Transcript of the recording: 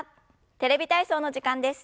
「テレビ体操」の時間です。